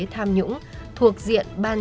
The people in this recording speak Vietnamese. tham nhũng thuộc diện ban